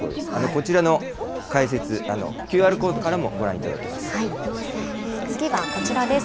こちらの解説、ＱＲコードからも次はこちらです。